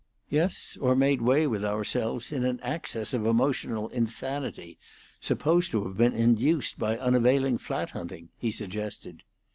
"Yes, or made way with ourselves in an access of emotional insanity, supposed to have been induced by unavailing flat hunting," he suggested.